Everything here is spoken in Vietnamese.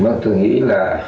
mình có tưởng nghĩ là